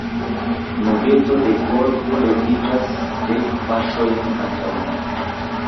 Nubeto de polvo leviĝas, dek paŝojn antaŭ mi.